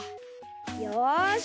よし。